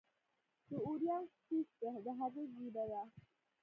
د اووریان سیسټ د هګۍ ګېډه ده.